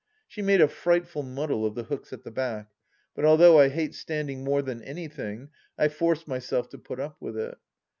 She made a frightful muddle of the hooks at the back ; but although I hate stand ing more than anything, I forced myself to put up with it.